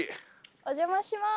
お邪魔します。